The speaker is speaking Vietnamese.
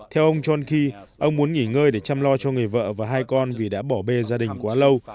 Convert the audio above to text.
theo ông johnki ông muốn nghỉ ngơi để chăm lo cho người vợ và hai con vì đã bỏ bê gia đình quá lâu